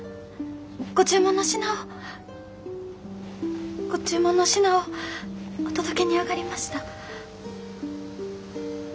ご注文の品をご注文の品をお届けにあがりました。